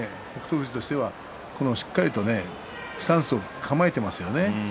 富士としてはしっかりとスタンスを構えていました。